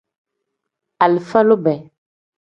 Alifa lube.